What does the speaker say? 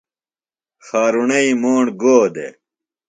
خارُݨئی موݨ گو دےۡ؟